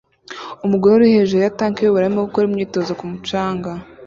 Umugore uri hejuru ya tank yubururu arimo gukora imyitozo ku mucanga